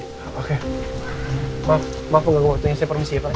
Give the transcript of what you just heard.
oke maaf maaf nggak gue bertanya saya permisi ya pak